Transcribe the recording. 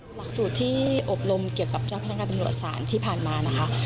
หลักสูตรที่อบรมเกี่ยวกับเจ้าพนักงานตำรวจศาลที่ผ่านมานะคะ